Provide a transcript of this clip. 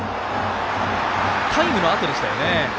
タイムのあとでしたよね。